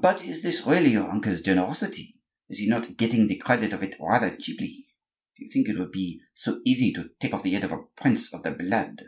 But is this really your uncle's generosity? Is he not getting the credit of it rather cheaply? Do you think it would be so easy to take off the head of a prince of the blood?"